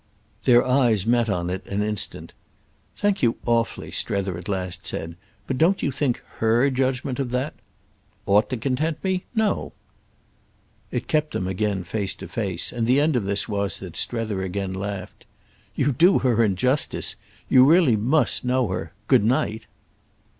Their eyes met on it an instant. "Thank you awfully," Strether at last said. "But don't you think her judgement of that—?" "Ought to content me? No." It kept them again face to face, and the end of this was that Strether again laughed. "You do her injustice. You really must know her. Good night."